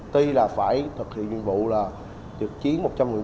tuy là phải thực hiện nhiệm vụ là trực chiến một trăm linh người trong